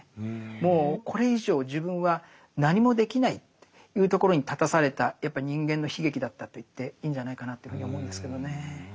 もうこれ以上自分は何もできないというところに立たされたやっぱり人間の悲劇だったと言っていいんじゃないかなというふうに思うんですけどね。